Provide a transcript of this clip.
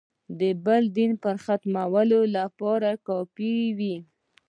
بل دین برم ختمولو لپاره کافي وي.